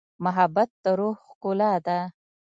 محبت د روح ښکلا ده.